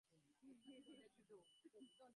মতিকে আমার চিরদিন ভালো লাগবে।